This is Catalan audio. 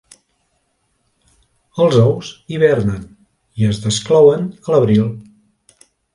Els ous hivernen i es desclouen a l'abril.